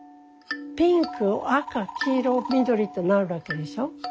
ピンク赤黄色緑となるわけでしょ。